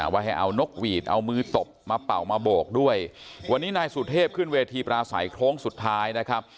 ว่าให้เอานกหวีดเอามือตบมาเป่ามาโบกด้วยวันนี้นายสุเทพขึ้นเวทีปราศัยโค้งสุดท้ายนะครับ